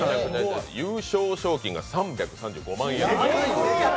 優勝賞金が３３５万円。